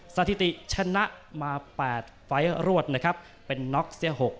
สถิติชนะมา๘ไฟล์รวดนะครับเป็นน็อกเสีย๖